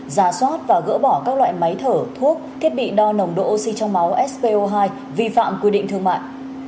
giả soát và gỡ bỏ các loại máy thở thuốc thiết bị đo nồng độ oxy trong máu spo hai vi phạm quy định thương mại